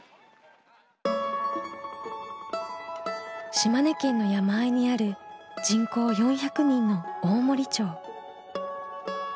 島根県の山あいにある人口４００人の大森町。